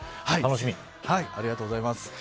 ありがとうございます。